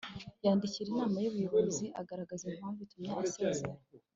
yandikira inama y'ubuyobozi agaragaza impamvu itumye asezera